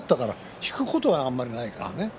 引くことはあんまりないからね。